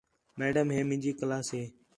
میڈم ہے مینجی کلاس ہے